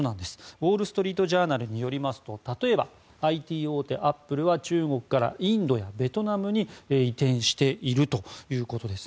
ウォール・ストリート・ジャーナルによりますと例えばＩＴ大手のアップルは中国からインドやべトナムに移転しているということです。